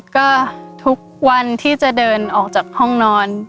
ก็ทุกวันที่จะเดินออกจากห้องนอน